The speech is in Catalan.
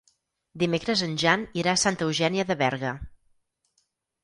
Dimecres en Jan irà a Santa Eugènia de Berga.